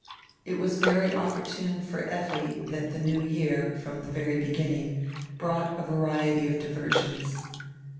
It was very opportune for Effi that die new year, from the very beginning, brought a variety of diversions.